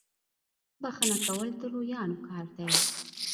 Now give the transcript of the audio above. بخښنه کول د لویانو کار دی.